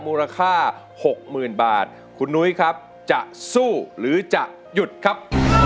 มูลค่า๖๐๐๐บาทคุณนุ้ยครับจะสู้หรือจะหยุดครับ